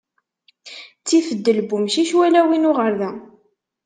Ttif ddel n wumcic, wala win uɣerda.